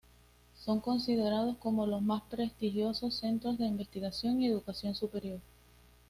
Son considerados como los más prestigiosos centros de investigación y educación superior.